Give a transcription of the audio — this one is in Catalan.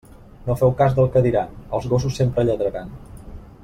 No feu cas del que diran; els gossos sempre lladraran.